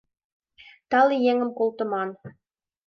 Тале еҥым колтыман.